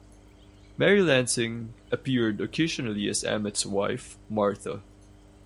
Mary Lansing appeared occasionally as Emmett's wife, Martha.